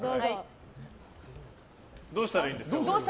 どうしたらいいんですか？